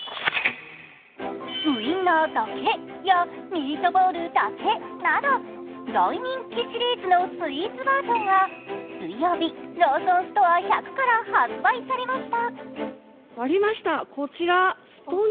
ウインナーだけやミートボールだけなど大人気シリーズのスイーツバージョンが水曜日、ローソンストア１００から発売されました。